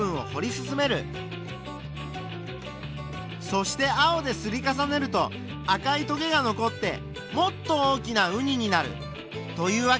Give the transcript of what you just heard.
そして青で刷り重ねると赤いトゲが残ってもっと大きなウニになるというわけだ。